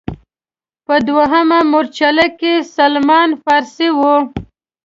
په دویمه مورچله کې سلمان فارسي و.